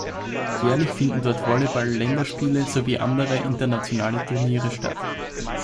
Jährlich finden dort Volleyball-Länderspiele sowie andere internationale Turniere statt.